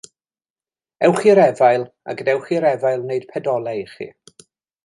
Ewch i'r efail, a gadewch i'r efail wneud pedolau i chi.